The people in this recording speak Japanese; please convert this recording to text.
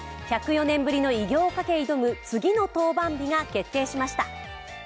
１０４年ぶりの偉業をかけ挑む次の登板日が決定しました。